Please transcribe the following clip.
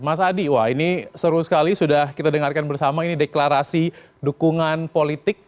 mas adi wah ini seru sekali sudah kita dengarkan bersama ini deklarasi dukungan politik